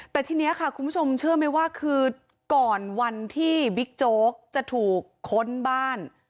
แต่ทีนี้ค่ะคุณผู้ชมเชื่อไหมว่าคือก่อนวันที่บิ๊กโจ๊กจะถูกค้นบ้าน